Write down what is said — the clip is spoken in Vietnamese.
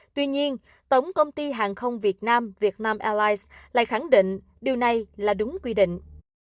tuy nhiên tổng công ty hàng không việt nam vietnam airlines lại khẳng định điều này là đúng quy định